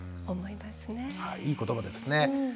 いい言葉ですね。